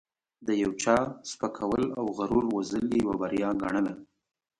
د یو چا سپکول او غرور وژل یې یوه بریا ګڼله.